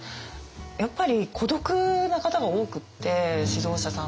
やっぱり孤独な方が多くって指導者さんとかリーダーって。